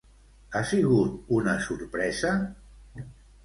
Ha sigut una sorpresa?